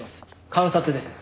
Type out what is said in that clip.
監察です。